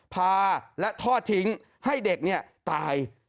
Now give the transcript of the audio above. พาและทอดทิ้งให้เด็กตาย